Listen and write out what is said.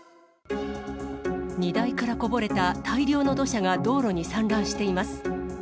荷台からこぼれた大量の土砂が道路に散乱しています。